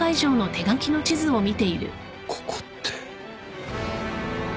ここって。